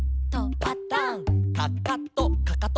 「パタン」「かかとかかと」